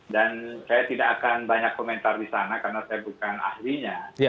dan saya tidak akan banyak komentar di sana karena saya bukan ahlinya